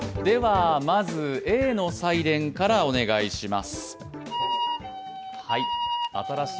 まず、Ａのサイレンからお願いします。